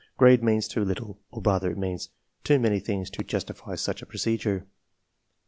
Xkadcjoaeans too little^ or rather it means too many things to justify such a procedure.